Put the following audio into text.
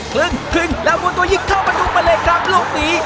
พึ่งพึ่งแล้วมันตัวยิกเข้ามาดูเบลกครับลูกหนี